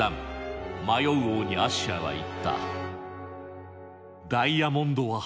迷う王にアッシャーは言った。